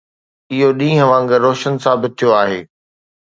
اهو ڏينهن وانگر روشن ثابت ٿيو آهي.